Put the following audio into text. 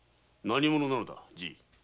何者なのだ？